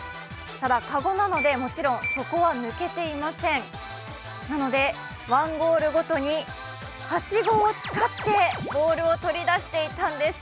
ただ、カゴなので、もちろん底は抜けていませんなので、１ゴールごとに、はしごを使ってボールを取り出していたんです。